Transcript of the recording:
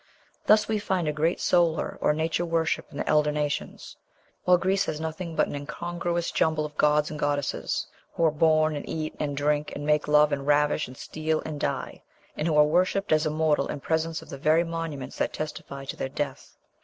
Thus we find a great solar or nature worship in the elder nations, while Greece has nothing but an incongruous jumble of gods and goddesses, who are born and eat and drink and make love and ravish and steal and die; and who are worshipped as immortal in presence of the very monuments that testify to their death.